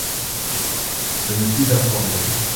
Je me suis informé.